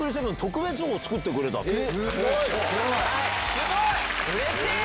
すごい！うれしい！